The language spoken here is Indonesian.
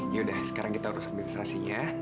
yaudah sekarang kita harus ke administrasinya